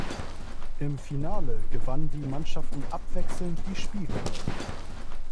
Im Finale gewannen die Mannschaften abwechselnd die Spiele.